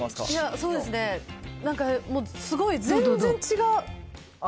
そうですね、なんか、すごい全然違う。